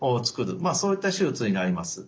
まあそういった手術になります。